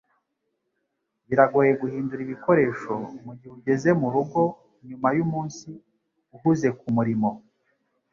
Biragoye guhindura ibikoresho mugihe ugeze murugo nyuma yumunsi uhuze kumurimo